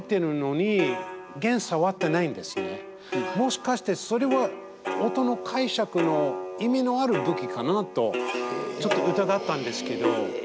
もしかしてそれは音の解釈の意味のある武器かなとちょっと疑ったんですけど。